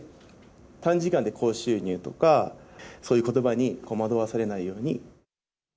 短時間で高収入とか、そういうことばに惑わされないように。